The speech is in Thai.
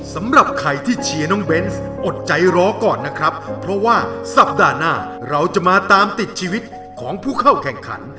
สำหรับใครที่เชียร์น้องเบนส์อดใจรอก่อนนะครับเพราะว่าสัปดาห์หน้าเราจะมาตามติดชีวิตของผู้เข้าแข่งขัน